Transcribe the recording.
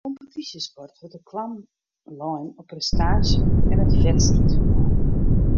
By de kompetysjesport wurdt de klam lein op prestaasje en it wedstriidferbân